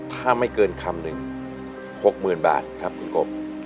ถ้าไม่เกินคำหนึ่ง๖๐๐๐บาทครับคุณกบ